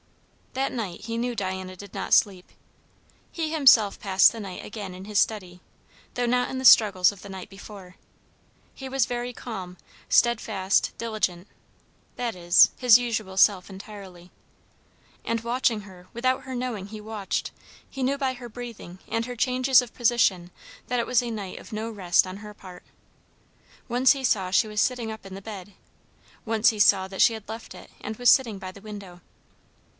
That night he knew Diana did not sleep. He himself passed the night again in his study, though not in the struggles of the night before. He was very calm, stedfast, diligent; that is, his usual self entirely. And, watching her without her knowing he watched, he knew by her breathing and her changes of position that it was a night of no rest on her part. Once he saw she was sitting up in the bed; once he saw that she had left it and was sitting by the window.